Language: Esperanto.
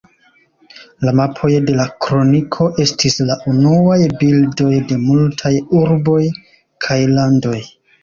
La mapoj de la Kroniko estis la unuaj bildoj de multaj urboj kaj landoj.